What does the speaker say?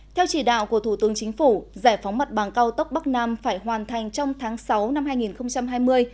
theo chỉ đạo của thủ tướng chính phủ giải phóng mặt bằng cao tốc bắc nam phải hoàn thành trong tháng sáu năm hai nghìn hai mươi